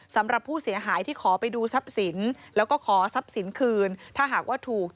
เสื้อผ้าของเด็กที่ร้านจะขายเป็นส่วนใหญ่เป็นเด็กที่หยุดลูก